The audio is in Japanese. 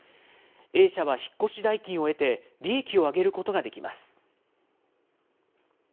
Ａ社は引っ越し代金を得て、利益を上げることができます。